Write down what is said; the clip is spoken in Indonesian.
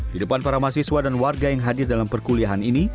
di depan para mahasiswa dan warga yang hadir dalam perkuliahan ini